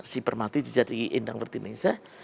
si permati jadi indang mertiningse